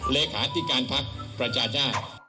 เลขาที่การภักดิ์ประชาชา